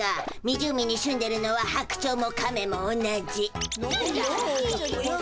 湖に住んでいるのは白鳥も亀も同じ。